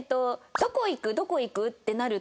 「どこ行く？どこ行く？」ってなると。